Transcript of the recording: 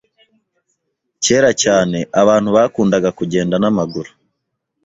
Kera cyane, abantu bakundaga kugenda n'amaguru.